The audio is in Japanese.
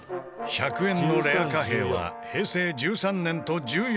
１００円のレア貨幣は平成１３年と１４年のみ。